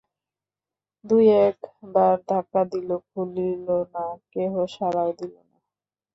দুই-এক বার ধাক্কা দিল, খুলিল না–কেহ সাড়াও দিল না।